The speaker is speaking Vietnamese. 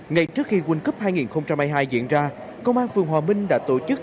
ngay trước khi world cup hai nghìn hai mươi hai diễn ra công an phường hòa minh đã tổ chức